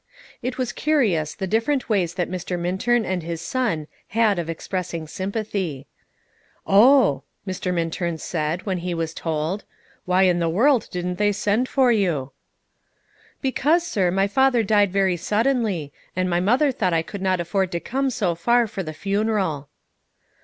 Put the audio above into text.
It was curious, the different ways that Mr. Minturn and his son had of expressing sympathy. "Oh," Mr. Minturn said, when he was told, "why in the world didn't they send for you?" "Because, sir, my father died very suddenly, and my mother thought I could not afford to come so far for the funeral."